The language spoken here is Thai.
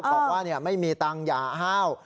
บอกว่าไม่มีตังค์อย่าห้าว